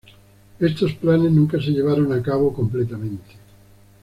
Estos planes nunca se llevaron a cabo completamente.